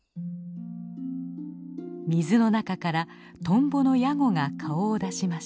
水の中からトンボのヤゴが顔を出しました。